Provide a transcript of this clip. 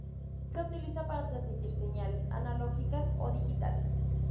Se utiliza para transmitir señales analógicas o digitales.